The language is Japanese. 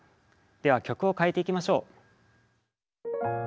では曲を変えていきましょう。